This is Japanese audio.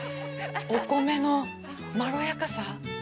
お米のまろやかさ。